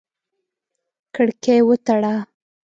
کړکۍ وتړه!